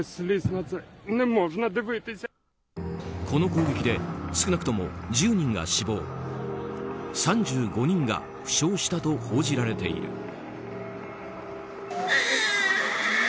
この攻撃で少なくとも１０人が死亡３５人が負傷したと報じられている。